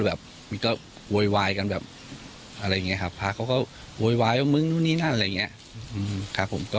แบบมีก็โวยวายกันแบบอะไรไงครับพาเขาก็โวยวายว่ามึงนู่นนี่นั่นอะไรเนี่ยครับผมก็